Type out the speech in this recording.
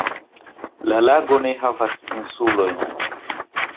La lago ne havas insulojn.